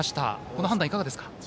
この判断はいかがですか。